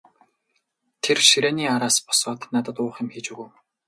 Тэр ширээний араас босоод надад уух юм хийж өгөв.